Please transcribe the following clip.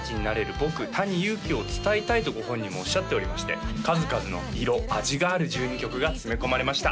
「僕ＴａｎｉＹｕｕｋｉを伝えたい」とご本人もおっしゃっておりまして数々の色味がある１２曲が詰め込まれました